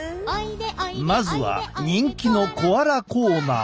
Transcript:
まずは人気のコアラコーナー。